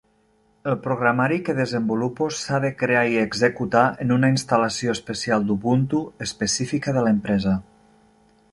El programari que desenvolupo s'ha de crear i executar en una instal·lació especial d'Ubuntu específica de l'empresa.